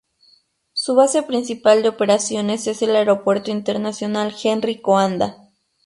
Su base principal de operaciones es el Aeropuerto Internacional Henri Coandă.